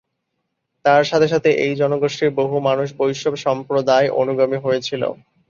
তার সাথে সাথে এই জনগোষ্ঠীর বহু মানুষ বৈষ্ণব সম্প্রদায় অনুগামী হয়েছিল।